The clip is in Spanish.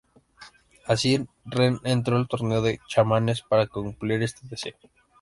Así, Ren entró al torneo de chamanes para cumplir este deseo.